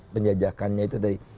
penjajahkannya itu tadi